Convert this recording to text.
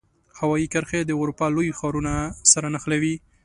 هوایي کرښې د اروپا لوی ښارونو سره نښلوي.